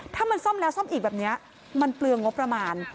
ถ้ามันซ่อมแล้วซ่อมอีกแบบนี้มันเปลืองงบประมาณ